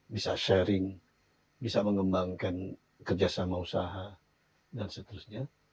bisa sharing bisa mengembangkan kerja sama usaha dan seterusnya